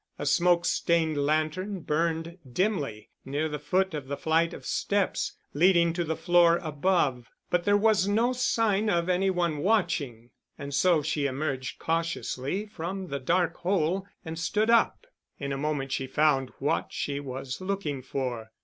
A smoke stained lantern burned dimly near the foot of the flight of steps, leading to the floor above, but there was no sign of any one watching. And so she emerged cautiously from the dark hole and stood up. In a moment she found what she was looking for.